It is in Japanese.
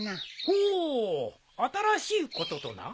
ほう新しいこととな？